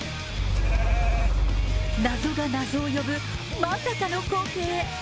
謎が謎を呼ぶまさかの光景。